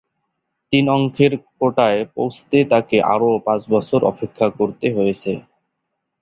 তিন অঙ্কের কোটায় পৌঁছতে তাকে আরও পাঁচ বছর অপেক্ষা করতে হয়েছে।